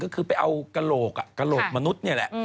ก็คือไปเอากะโหลกมนุษย์นี่แหละ